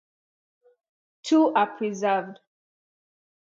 Two are preserved.